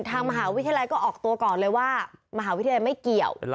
ทางมหาวิทยาลัยก็ออกตัวก่อนเลยว่ามหาวิทยาลัยไม่เกี่ยว